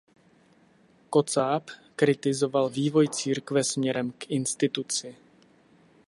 Kocáb kritizoval vývoj církve směrem k instituci.